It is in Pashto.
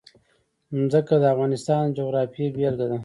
ځمکه د افغانستان د جغرافیې بېلګه ده.